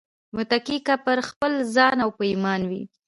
متکي که پر خپل ځان او په ايمان وي